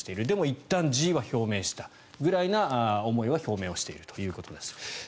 でもいったん辞意は表明したぐらいの思いは表明しているということです。